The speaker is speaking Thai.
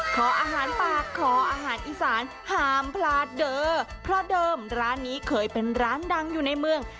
ขออาหารปากขออาหารอีสานห้ามพลาดเด้อเพราะเดิมร้านนี้เคยเป็นร้านดังอยู่ในเมือง